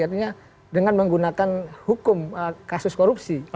artinya dengan menggunakan hukum kasus korupsi